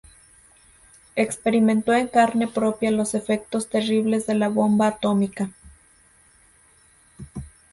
Experimentó en carne propia los efectos terribles de la bomba atómica.